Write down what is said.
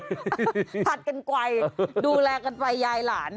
ผัดกันไกลดูแลกันไปยายหลาน